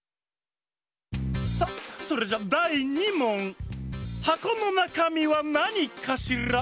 さあそれじゃだい２もん！はこのなかみはなにかしら？